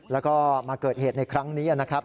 แล้วก็มาเกิดเหตุในครั้งนี้นะครับ